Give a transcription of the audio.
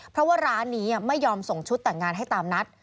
เพราะว่าร้านนี้ไม่ยอมส่งชุดแต่งงานให้ตามนัด